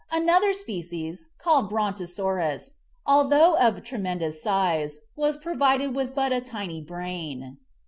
Another species, called Brontosaurus, although of tremendous size, was pro vided with but a tiny brain.